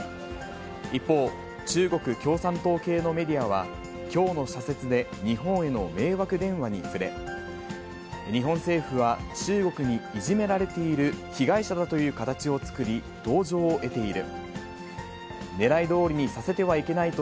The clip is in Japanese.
一方、中国共産党系のメディアは、きょうの社説で日本への迷惑電話に触れ、日本政府は中国にいじめられている被害者だという形を作り、同情を得ている。